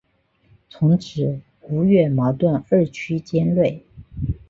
从此吴越矛盾日趋尖锐。